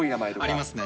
ありますね。